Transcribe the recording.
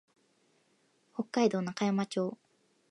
北海道中川町